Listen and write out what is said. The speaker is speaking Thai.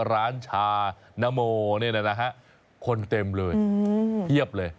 ร้านชานโมนี่นะฮะคนเต็มเลยเพียบเลย